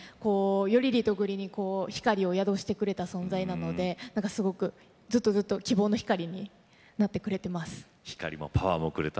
３人は、よりリトグリに光を宿してくれた存在なのでずっと希望の光にしてくれています。